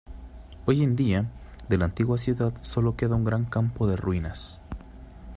Hoy en día, de la antigua ciudad sólo queda un gran campo de ruinas.